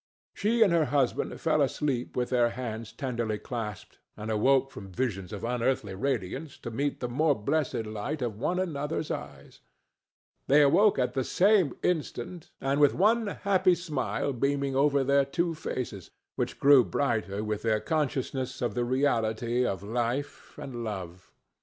She and her husband fell asleep with hands tenderly clasped, and awoke from visions of unearthly radiance to meet the more blessed light of one another's eyes. They awoke at the same instant and with one happy smile beaming over their two faces, which grew brighter with their consciousness of the reality of life and love.